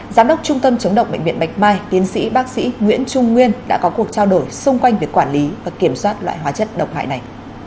giám đốc trung tâm chống độc bệnh viện bạch mai tiến sĩ bác sĩ nguyễn trung nguyên đã có cuộc trao đổi xung quanh việc quản lý và kiểm soát loại hóa chất độc hại này